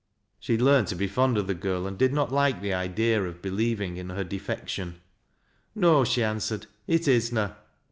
She had learned to be fond of the girl, and did not like tlie idea of believing in her defection. " No," she answered, " it is na."